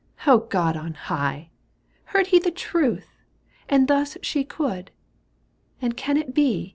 — God on high ! Heard he the truth ? And thus she could — And can it be